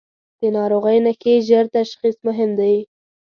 د ناروغۍ نښې ژر تشخیص مهم دي.